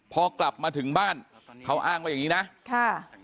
พอกลับมาถึงบ้านเขาอ้างว่าอย่างนี้นะค่ะ